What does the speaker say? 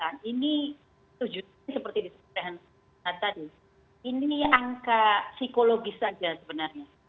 nah tadi ini angka psikologis saja sebenarnya